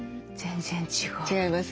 全然違う。